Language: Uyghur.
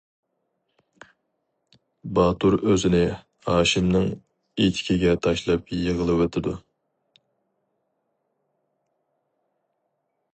باتۇر ئۆزىنى ھاشىمنىڭ ئېتىكىگە تاشلاپ يىغلىۋېتىدۇ.